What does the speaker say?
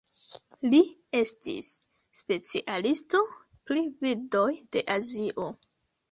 Li estis specialisto pri birdoj de Azio.